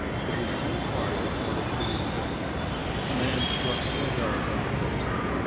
It was ten o'clock before they quitted the deck. A man struck four bells on the forecastle.